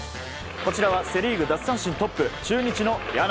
こちらはセ・リーグ奪三振トップ中日の柳。